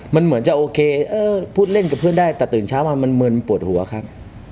มันเหมือนจะโอเคพูดเล่นกับเพื่อนได้แต่ตื่นเช้ามามันมึนปวดหัวครับ